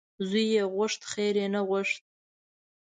زوی یې غوښت خیر یې نه غوښت .